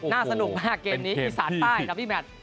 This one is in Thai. สนุกมากเกมนี้อีสานใต้นะพี่แมท